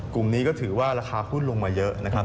กลุ่มนี้ก็ถือว่าราคาพุ่นลงมาเยอะ